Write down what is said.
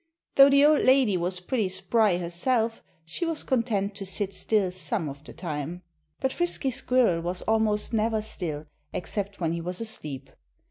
Though the old lady was pretty spry, herself, she was content to sit still some of the time. But Frisky Squirrel was almost never still except when he was asleep.